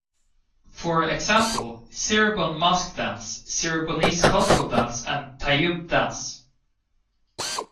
For example, Cirebon mask dance, Cirebonese cultural dance and Tayub dance.